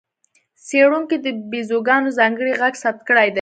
څېړونکو د بیزوګانو ځانګړی غږ ثبت کړی دی.